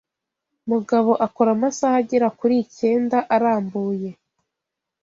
Mugabo akora amasaha agera kuri icyenda arambuye.